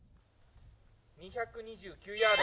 ２２９ヤード。